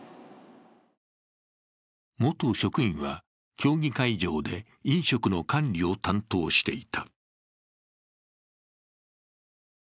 元職員は競技会場で飲食の管理を担当していた。